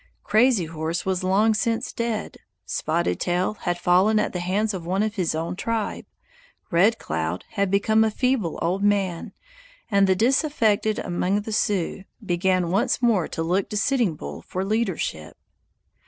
Crazy Horse was long since dead; Spotted Tail had fallen at the hands of one of his own tribe; Red Cloud had become a feeble old man, and the disaffected among the Sioux began once more to look to Sitting Bull for leadership.